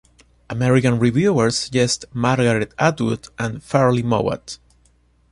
American reviewers suggested Margaret Atwood, and Farley Mowat.